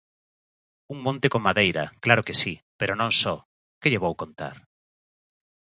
Un monte con madeira, claro que si, pero non só, ¡que lle vou contar!